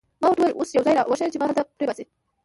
ما ورته وویل: اوس یو ځای را وښیه چې ما هلته پرېباسي.